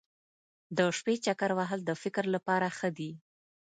د شپې چکر وهل د فکر لپاره ښه دي.